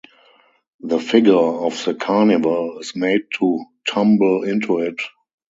The figure of the Carnival is made to tumble into it.